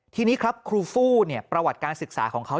ทีนี้ครับครูฟู้ประวัติการศึกษาของเขา